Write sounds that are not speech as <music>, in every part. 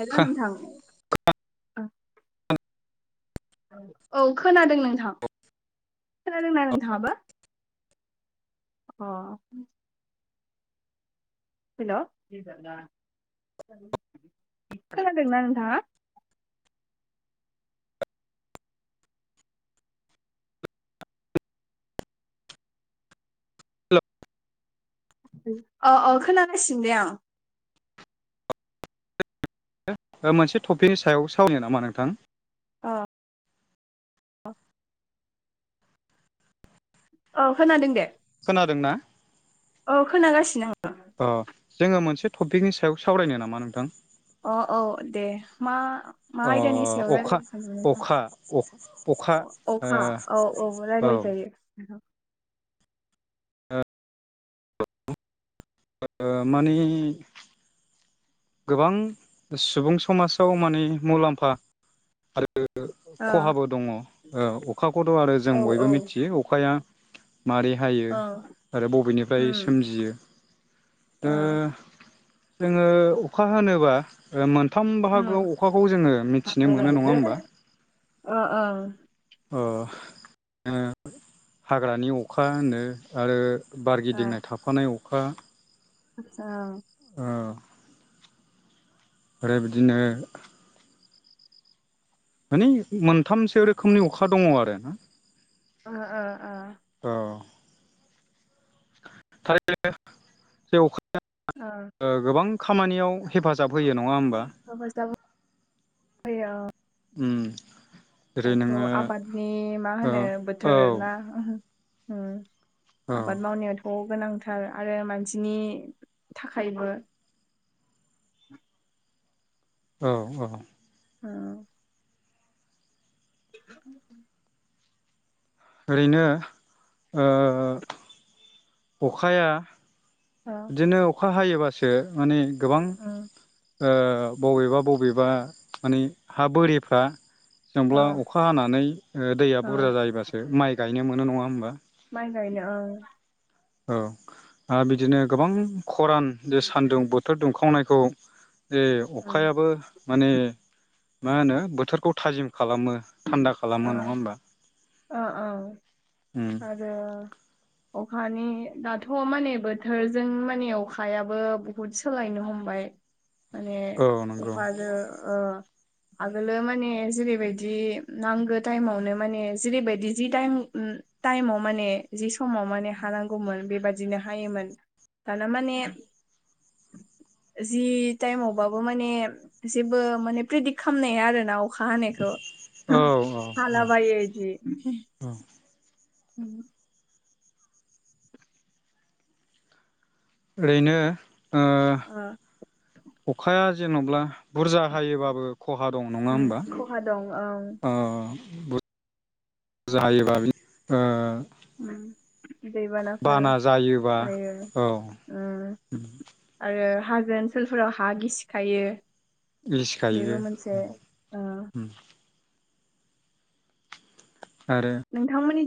हेल' नोंथां औ खोनादों नोंथां खोनादोंना नोंथाङाबो? अ हेल' खोनादोंना नोंथाङा? अ अ खोनागासिनो दे आं। मोनसे टपिकनि सायाव सावरायनो नामा नोंथां? ओ औ औ खोनादों दे। खोनादों ना? औ खोनागासिनो आङो। अ जोङो मोनसे टपिकनि सायाव सावरायनो नामा नोंथां? अ औ दे मा मा अ आयदानि सायाव अखा रायलायनो सानदों? नोंथां अखा अ अखा औ औ ओ रायलाय जायो‌ नोंथां। ओ मानि गोबां सुबुं समाजाव माने मुलाम्फा आरो <unintelligible> ओ ख'हाबो दङ' ओ अखाखौथ' आरो जों औ बयबो मिथियो अखाया मारै हायो औ आरो बबेनिफ्राय उम सोमजियो। ओ जोङो अखा हानोबा ओ मोनथाम उम बाहागोआव अखाखौ जोङो मिथिनो मोनो नङा ओमबा? ओ ओ अ जोङो हाग्रानि अखा होनो आरो बारगिदिंनाय थाफानाय अखा ओ ओ आरो बिदिनो माने मोनथामसो रोखोमनि अखा दङ' आरो। ओ अ थारैनो जों अखा ओ ओ गोबां खामानियाव हेफाजाब होयो नङा होमबा? मोजां <unintelligible> होयो। उम जेरै दाथ' नोङो आबादनि मा ओ होनो औ बोथोर ना उम औ आबाद मावनायाथ' गोनांथार आरो मानसिनि थाखायबो <inaudible> औ औ ओ <inaudible> ओरैनो ओ अखाया ओ बिदिनो अखा हायोबासो माने गोबां ओ ओ बबेबा बबेबा माने हा बोरिफ्रा ओ जेनब्ला अखा हानानै ओ दैया बुरजा जाहैबासो माइ गायनो मोनो नङा होमबा? माइ गायनो ओ औ आरो बिदिनो गोबां खरान जे सानदुं बोथोर दुंखावनायखौ बे अखायाबो माने मा होनो बोथोरखौ थाजिम खालामो। थान्दा खालामो ओ नङा होमबा ओ औ उम आरो अखानि दाथ' माने बोथोरजों माने अखायाबो बुहुद सोलायनो हमबाय माने औ नंगौ अखाजो ओ आगोलो माने जेरैबायदि नांगो टाइमावनो माने जेरैबायदि जि टाइम टाइमाव माने जि समाव माने हानांगौमोन बेबादिनो हायोमोन। दाना माने जि टाइमावबाबो माने जेबो माने प्रेदिक खालामनाया आरोना अ अखा हानायखौ औ हालाबायो इदि। उम उम ओरैनो ओ ओ अखाया जेन'ब्ला बुरजा हायोबाबो ख'हा दं नङा होमबा खहा दं ओं ओ <inaudible> बुरजा जायोबा बि ओ उम दैबानाफोर बाना जायोबा जायो औ ओं। आरो हाजो ओनसोलफोराव हा गिसिखायो। गिसिखायो बेबो मोनसे ओ उम आरो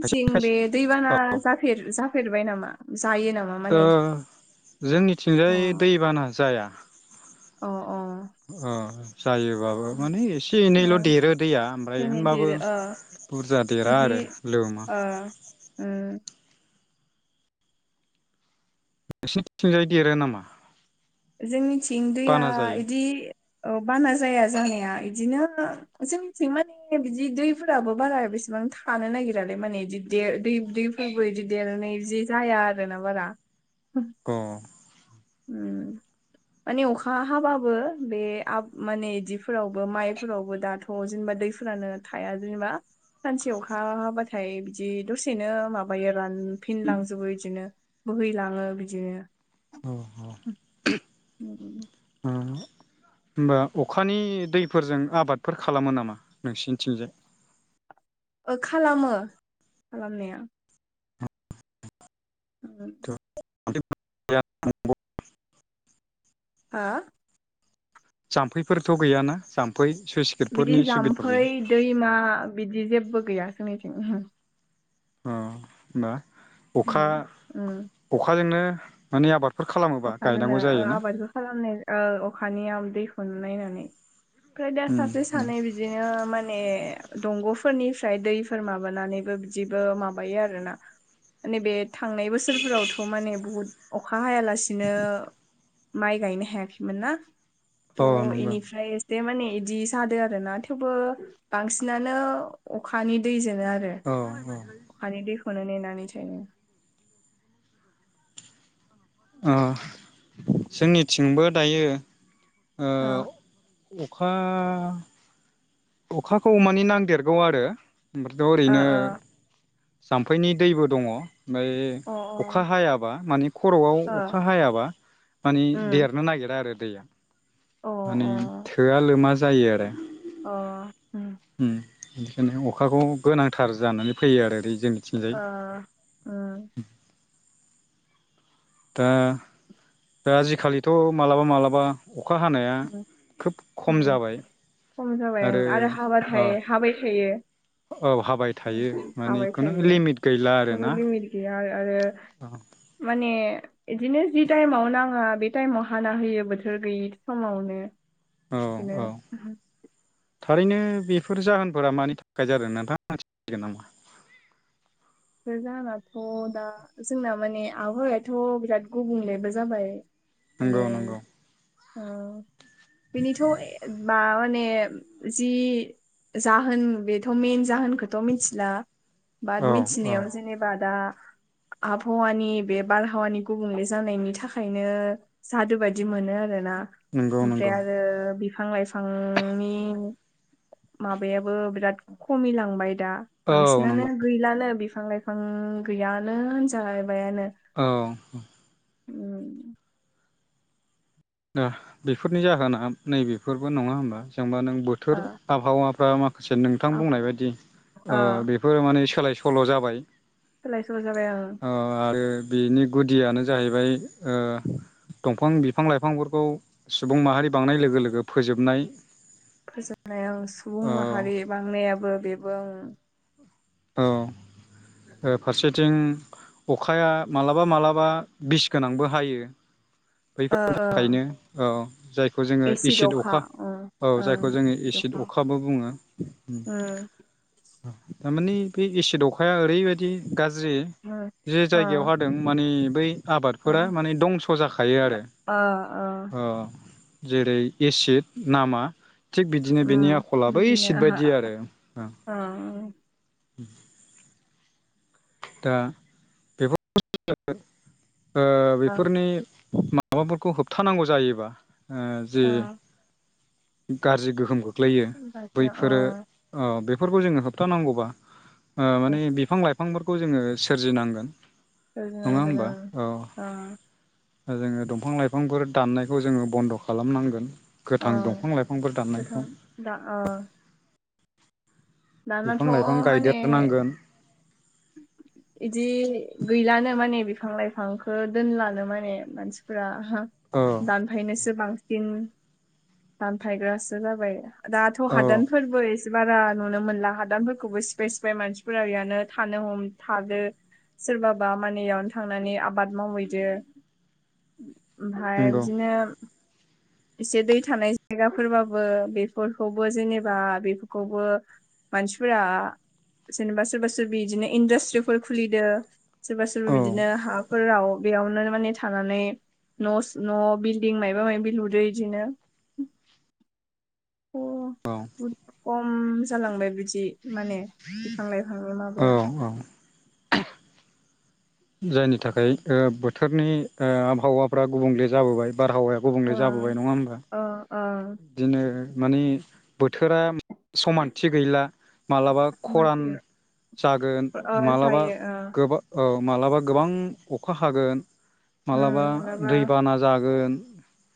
खायसे बे खायसे दैबाना औ जाफेर- जाफेरबाय नामा जायो नामा? ओ माने अ जोंनिथिंजाय दैबाना जाया। अ अ। ओ जायोबाबो माने एसे एनैल' देरो दैया ओमफ्राय दिनै होनबाबो देरो ओ बुरजा देरा बिदि आरो लोमा। ओ उम। नोंसिनिथिंजाय देरो नामा? ओ जोंनिथिं दैया बाना जायो इदि औ बाना जाया जानाया इदिनो जोंनिथिं माने बिदि दैफोराबो बारा बेसेबां थानो नागिरालै माने बि देर दै -दैफो बो बिदि देरनाय जि जाया आरोना बारा अह। ओम। माने अखा हाबाबो बे माने आब बिदिफोरावबो माइफोरावबो दाथ' थ' जेनेबा दैफोरानो थाया जेनेबा सानसे अखा हाबाथाय बिदि दसेनो माबायो रानफिनलांजोबो इदिनो। बोहैलाङो बिदिनो। औ औ। उम उम। ओ होमबा अखानि दैफोरजों आबादफोर खालामा नामा नोंसिनिथिंजाय? ओ खालामो खालामनाया। <unintelligible> <unintelligible> हा जाम्फैफोरथ' गैयाना जाम्फै सुइस बिदि जाम्फै दैमा बिदि जेबो गैया जोंनिथिं उमहु। अ होमबा अखा उम अखाजोंनो माने आबादफोर खालामोबा अखाजोंनो गायनांगौ ओ जायो ना? आबादखौ खालामनाय ओ अखानियाव दैखौनो नायनानै ओमफ्राय दा उम सासे उम सानै बि बिदिनो माने दंग'फोरनिफ्राय दैफोर माबानानैबो बिदिबो माबायो आरोना। <inaudible> माने बे थांनाय बोसोरफोरावथ' माने बुहुत अखा हायालासि बिदिनो माइ गायनो हायाखैमोन ना अ थ' नंगौ इनिफ्राय दे माने बिदि जादों आरोना थेवबो बांसिनानो अखानि दैजोंनो आरो। औ औ। अखानि दैखौनो नेनानै सोयो। अ जोंनिथिंबो दायो ओ अ अखा अखाखौ मानि नांदेरगौ आरो ओमफ्रायथ' ओरैनो जाम्फैनि दैबो दङ' ओमफाय ओ अखा हायाबा मानि खर'आव अखा अ हायाबा माने अ देरनो नागिरा आरो दैया ओ माने थोआ लोमा जायो आरो। अ उम। उम बेनिखायनो अखाखौ गोनांथार जानानै फैयो आरै जोंनि ओ उम। दा दा आजिखालिथ' मालाबा मालाबा अखा हानाया ओ उम खोब खम उम जाबाय आरो अ थाबाय थायो। औ हाबाय थायो माने हाबाय खुनु थायो लिमिट गैला आरो खुनु ना? लिमिट आरो माने इदिनो जि टाइमाव नाङा बे टाइमाव हाना होयो बोथोर गैयि समावनो औ बिदिनो औ थारैनो बेफोर जाहोनफोरा मानि थाखाय जादों नोंथां खिथानो‌ हागोन नामा? जानाथ' दा जोंना माने आबहावायाथ' बिराद गुबुंलेबो जाबाय। माने नंगौ नंगौ उम बेनिथ' बा माने जि जाहोन बेथ' मेन जाहोनखौथ' मिथिला बाट औ मि औ जेनेबा दा आबहावानि बे बारहावानि गुबुंले जानायनि थाखायनो सादु बायदि मोनो आरोना नंगौ ओमफ्राय नंगौ आरो थांलाय सांनि माबायाबो बिराद खमिलांबाय दा। औ बांसिनानो नंगौ गैलानो बिफां लाइफां गैयानो होनजालायबायानो। औ उम दा बेफोरनि जाहोना नैबेफोरबो नङा होमबा जेनेबा नों ओ बोथोर आबहावाफ्रा मा खासे नोंथां बुंनाय बायदि ओ बेफोरो माने सोलाय सोल' जाबाय। सोलाय सल' जाबाय आरो। ओ आरो बिनि गुदियानो जाहैबाय ओ दंफां बिफां लाइफां बिफांफोरखौ सुबुं माहारि बांनाय लोगो लोगो फोजोबनाय फोजोबनायाव सुबुं औ माहारि बांनायाबो बेबो औ फारसेथिं अखाया मालाबा मालाबा बिस गोनांबो हायो। ओ बैफोरनि थाखायनो औ जायखौ जोङो एसिड एसिद अखा ओ औ ओं जायखौ जोङो एसिद अखाबो बुङो। ओ थारमानि बे एसिद अखाया ओरैबायदि गाज्रि उम जे ओ जायगायाव माने बै ओ आबादफोरा माने दंस' जाखायो आरो ओ ओ अ जेरै एसिद नामा थिग बिदिनो बेनि आखलाबो एसिद बायदि आरो। ओम उम दा बे <unintelligible> ओ ओ बेफोरनि मा माबाफोरखौ होबथानांगौ जायोबा ओ जे ओ गाज्रि गोहोम गोहोमखो खोख्लैयो गासै ओ बैफोरो ओ बेफोरखौ जोङो होबथानांगौबा ओ माने बिफां लाइफांफोरखौ खौ जोङो सोरजिनांगोन सोरजिनो नङा होमबा? गोनां ओ जोङो दंफां लाइफांफोर दाननायखौ जोङो बन्द' खालामनांगोन। औ गोथां दंफां लाइफांफोर गोथां दाननायखौ दा ओ दानाथ' बिफां लाइफां माने गायदेरनांगोन। बिदि गैलानो माने बिफां लाइफांखौ दोनलानो माने मानसिफोरा औ दानफायनोसो बांसिन दानफायग्रासो जाबाय। दाथ' औ हादानफोरबो एसे बारा नुनो मोनला हादानफोरखौबो सिफाय सिफाय मानसिफोरा बेयानो थानो हम थादो। सोरबाबा माने बेयावनो थांनानै आबाद मावहैदो। ओमफ्राय नंगौ बिदिनो एसे दै थानाय जायगाफोरबाबो बेफोरखौबो जेनेबा बेफोरखौबो मानसिफोरा जेनेबा सोरबा सोरबि बिदिनो इन्डास्ट्रिफोर खुलिदों सोरबा सोरबा औ बिदिनो हाफोराव बेयावनो माने थानानै न' न' बिल्डिं मायाबा माबि लु दो बेदिनो अ औ बुहुद खम जालांबाय बिदि माने बिफां लाइफांनि औ माबाया औ जायनि थाखाय बोथोरनि आबहावाफ्रा गुबुंले जाबोबाय बारहावाया ओ गुबुंले जाबोबाय नङा होमबा ओ ओ बिदिनो मानि बोथोरा समानथि गैला मालाबा खरान मानसिया जागोन ओ मालाबा जायो ओ गोबां औ मालाबा गोबां अखा हागोन मालाबा उम माबा दैबाना जागोन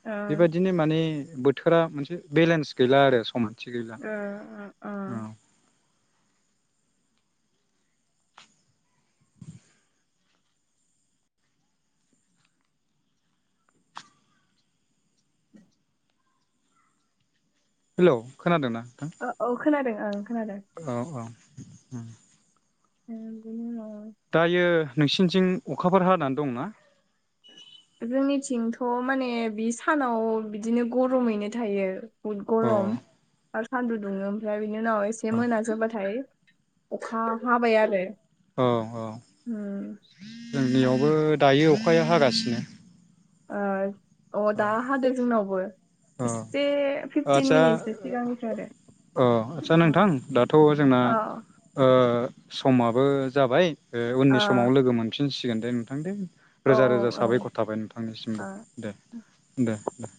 ओ बेबायदिनो माने बोथोरा मोनसे बेलेन्स गैला आरो समान ओ ओ हेल' खोनादों ना नोंथां ओ औ खोनादों ओं खोनादों औ औ उम ओ बेनि उनाव दायो नोंसिनिथिं अखाफोर हानानै दंना जोंनिथिंथ' माने बे सानाव बिदिनो गरमैनो थायो बुहुद अ गरम आरो सान्दुं दुङो ओमफ्राय बिनि उनाव एसे औ मोनाजोबाथाय अखा हाबाय आरो अ अ उम जोंनियावबो दायो अखाया हागासिनो ओ अ औ दा हादों जोंनावबो औ एसे फिफटिन आदसा मिनिटसो सिगांनिफ्राय आरो अ आदसा नोंथां दाथ' जोंना आरो ओ समाबो जाबाय अ उननि समाव लोगो मोनफिनसिगोन दे नोंथां दे औ रोजा रोजा साबायखर थाबाय औ नोंथांनिसिमबो दे औ दे दे